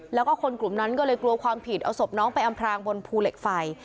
แล้วก็คนกลุ่มนั้นก็เลยกลัวความผิดเอาศพน้องไปอำพรางบนภูเหล็กไฟ